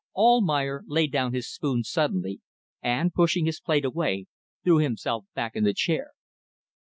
... Almayer laid down his spoon suddenly, and pushing his plate away, threw himself back in the chair.